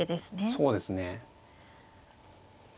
そうですね。